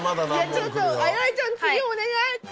ちょっと新井ちゃん次お願い。